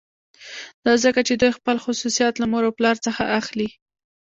دا ځکه چې دوی خپل خصوصیات له مور او پلار څخه اخلي